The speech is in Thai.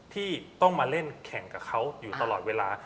ที่ต้องมาเล่นแข่งกับเขาอยู่ตลอดเวลา